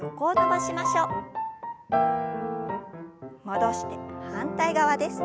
戻して反対側です。